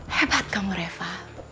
hebat kamu reva